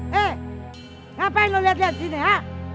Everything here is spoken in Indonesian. hei ngapain lu liat liat sini ha